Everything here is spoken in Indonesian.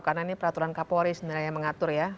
karena ini peraturan kapolri sebenarnya yang mengatur ya